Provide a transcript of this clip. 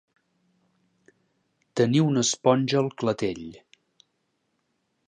Tenir una esponja al clatell.